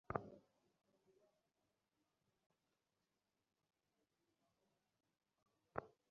শুনেছি ওর আরেকটা ছেলে না-কি আছে।